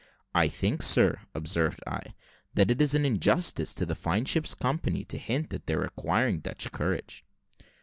"I think, sir," observed I, "that it is an injustice to this fine ship's company, to hint at their requiring Dutch courage."